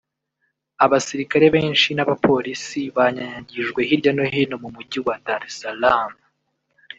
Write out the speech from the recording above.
abasirikare benshi n’abapolisi banyanyagijwe hirya no hino mu mujyi wa Dar es Salaam